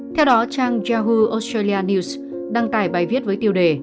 theo đó trang yahu australia news đăng tải bài viết với tiêu đề